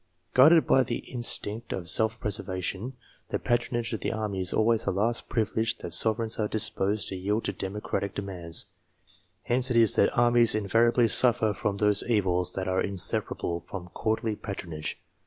Guided by the instinct of self preservation, the patronage of the 136 COMMANDERS army is always the last privilege that sovereigns are disposed to yield to democratic demands. Hence it is, that armies invariably suffer from those evils that are inseparable from courtly patronage.